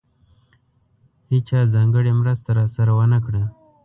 هېچا ځانګړې مرسته راسره ونه کړه.